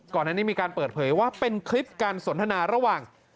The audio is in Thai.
ก่อนอันนี้มีการเปิดเผยว่าเป็นคลิปการสนทนาระหว่าง